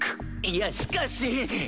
いやしかし。